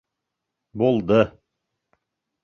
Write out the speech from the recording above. Булды!